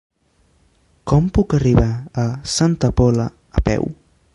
Com puc arribar a Santa Pola a peu?